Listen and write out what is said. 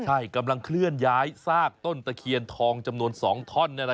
ใช่กำลังเคลื่อนย้ายซากต้นตะเคียนทองจำนวน๒ท่อน